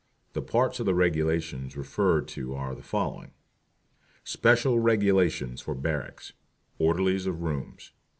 The parts of the regulations referred to are the following: SPECIAL REGULATIONS FOR BARRACKS. ORDERLIES OF ROOMS.